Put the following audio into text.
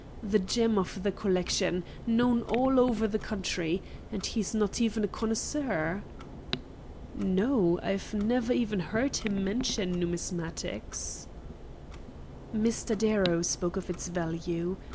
The gem of the collection; known all over the country, and he's not even a connoisseur." "No; I've never even heard him mention numismatics." "Mr. Darrow spoke of its value.